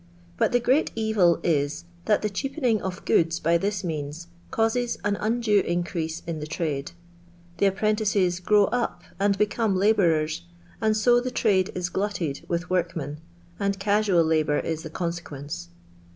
But the great evil is, that the cheapening of goodf by this Mteans causes an undue iucreafe in the trade. Tlie apprentices grow up and become la bourers, and so the trade is glutted with work men, and casual labour is the consequence.